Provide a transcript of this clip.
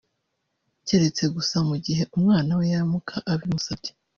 cyeretse gusa mu gihe umwana we yaramuka abimusabye